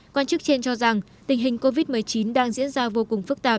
quan chức trên cho rằng tình hình covid một mươi chín đang diễn ra vô cùng phức tạp